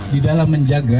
di dalam menjaga